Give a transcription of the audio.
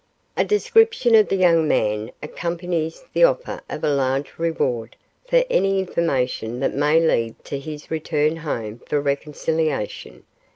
"A description of the young man accompanies the offer of a large reward for information that may lead to his return home for reconciliation.